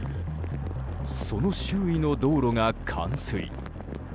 その周囲の道路が冠水。